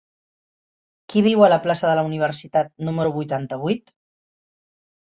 Qui viu a la plaça de la Universitat número vuitanta-vuit?